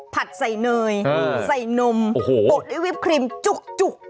ผัดใส่เนยใส่นมโอ้โหด้วยวิปครีมจุก